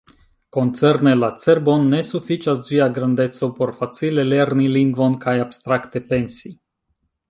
Koncerne la cerbon, ne sufiĉas ĝia grandeco por facile lerni lingvon kaj abstrakte pensi.